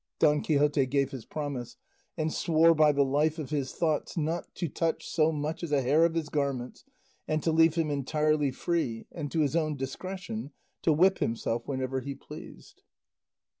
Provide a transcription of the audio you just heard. Don Quixote gave his promise, and swore by the life of his thoughts not to touch so much as a hair of his garments, and to leave him entirely free and to his own discretion to whip himself whenever he pleased.